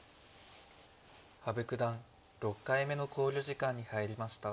羽生九段６回目の考慮時間に入りました。